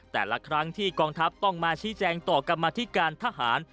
แต่ละครั้งที่กองทัพต้องมาชี้แจงต่อกรรมธิการทหาร